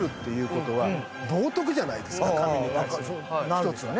一つのね。